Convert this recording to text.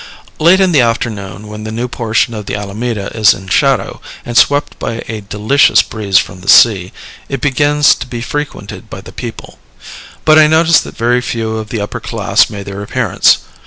Late in the afternoon, when the new portion of the Alameda is in shadow, and swept by a delicious breeze from the sea, it begins to be frequented by the people; but I noticed that very few of the upper class made their appearance.